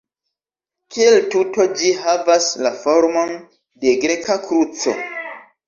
Kiel tuto ĝi havas la formon de greka kruco.